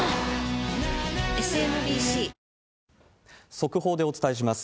速報でお伝えします。